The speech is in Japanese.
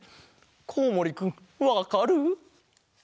コウモリくんわかる？